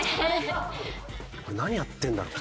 何やってんだろ？